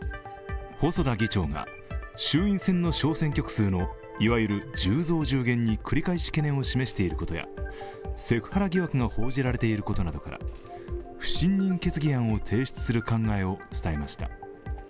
細田議長が衆院選の小選挙区数のいわゆる１０増１０減に繰り返し懸念を示していることやセクハラ疑惑が報じられていることなどから不信任決議案を提出する考えを伝えました。